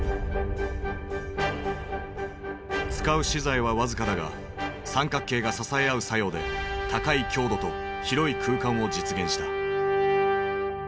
使う資材は僅かだが三角形が支え合う作用で高い強度と広い空間を実現した。